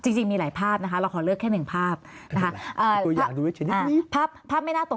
จริงมีหลายภาพนะคะเราขอเลือกแค่แค่๑ภาพ